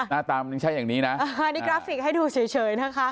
หน้าตามันใช่อย่างนี้นะอันนี้กราฟิกให้ดูเฉยนะคะ